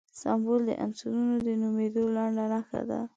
سمبول د عنصرونو د نومونو لنډه نښه ده.